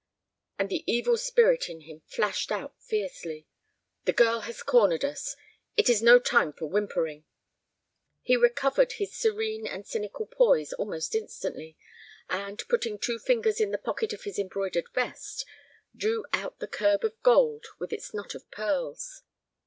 And the evil spirit in him flashed out fiercely. "The girl has cornered us. It is no time for whimpering." He recovered his serene and cynical poise almost instantly, and, putting two fingers in the pocket of his embroidered vest, drew out the curb of gold with its knot of pearls.